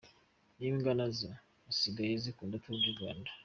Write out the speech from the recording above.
N’imbwa nazo zisigaye zikunda Tour du Rwanda.